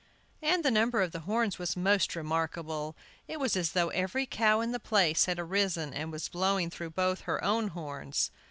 And the number of the horns was most remarkable! It was as though every cow in the place had arisen and was blowing through both her own horns!